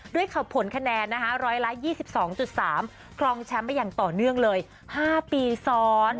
ผลคะแนนนะคะ๑๒๒๓ครองแชมป์มาอย่างต่อเนื่องเลย๕ปีซ้อน